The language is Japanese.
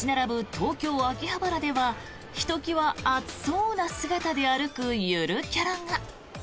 東京・秋葉原ではひときわ暑そうな姿で歩くゆるキャラが。